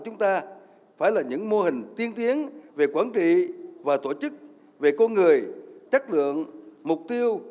chúng ta phải là những mô hình tiên tiến về quản trị và tổ chức về con người chất lượng mục tiêu